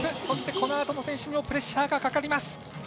そして、このあとの選手にもプレッシャーがかかります。